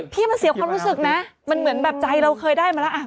พี่มันเสียความรู้สึกนะมันเหมือนแบบใจเราเคยได้มาแล้ว